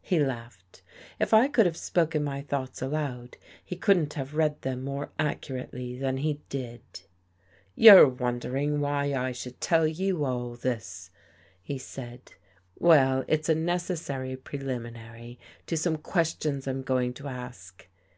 He laughed. If I could have spoken my thoughts aloud, he couldn't have read them more accurately than he did. " You're wondering why I should tell you all this," he said. " Well, it's a necessary preliminary to some questions I'm going to ask.